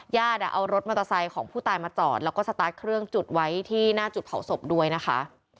ญาติเอารถมอเตอร์ไซค์ของผู้ตายมาจอดแล้วก็สตาร์ทเครื่องจุดไว้ที่หน้าจุดเผาศพด้วยนะคะ